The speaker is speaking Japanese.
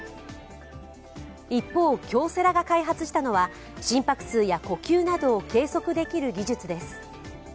一方、京セラが開発したのは心拍数や呼吸などを計測できる技術です。